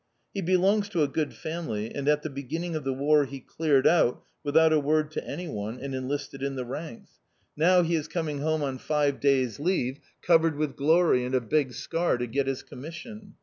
He belongs to a good family and at the beginning of the War he cleared out without a word to anyone and enlisted in the ranks. Now he is coming home on five days' leave, covered with glory and a big scar, to get his commission.